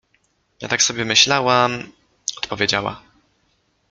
— Ja tak sobie myślałam… — odpowiedziała.